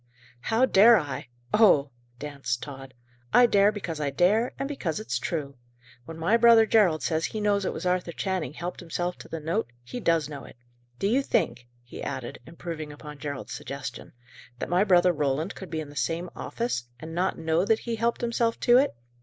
"How dare I! Oh!" danced Tod. "I dare because I dare, and because it's true. When my brother Gerald says he knows it was Arthur Channing helped himself to the note, he does know it. Do you think," he added, improving upon Gerald's suggestion, "that my brother Roland could be in the same office, and not know that he helped himself to it?